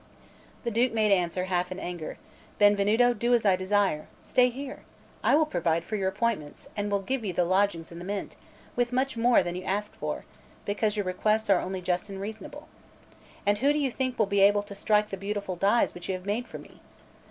The Duke made answer half in anger: "Benvenuto, do as I desire: stay here; I will provide for your appointments, and will give you the lodgings in the Mint, with much more than you could ask for, because your requests are only just and reasonable. And who do you think will be able to strike the beautiful dies which you have made for me?"